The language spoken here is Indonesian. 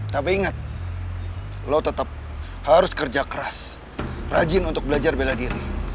tapi ingat lo tetap harus kerja keras rajin untuk belajar bela diri